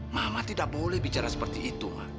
mama tidak boleh bicara seperti itu